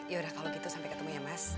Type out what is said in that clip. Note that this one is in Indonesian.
yaudah kalau gitu sampai ketemu ya mas